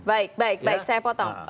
baik baik baik saya potong